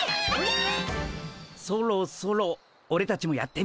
そろそろオレたちもやってみるか。